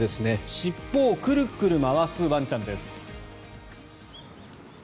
尻尾をクルクル回すワンちゃんです。